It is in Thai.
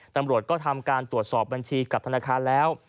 ตำรวจก็ทำการตรวจสอบบัญชีกับธนาคารแล้ว